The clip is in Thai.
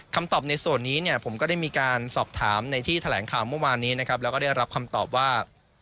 คำตอบในส่วนนี้เนี่ยผมก็ได้มีการสอบถามในที่แถลงข่าวเมื่อวานนี้นะครับแล้วก็ได้รับคำตอบว่า